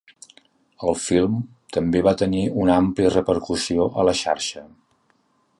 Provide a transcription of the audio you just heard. El film també va tenir una àmplia repercussió a la xarxa.